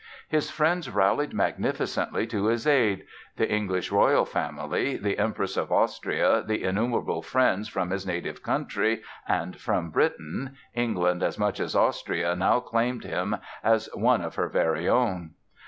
His friends rallied magnificently to his aid—the English royal family, the Empress of Austria, the innumerable friends from his native country and from Britain (England as much as Austria now claimed him as one of her very own!).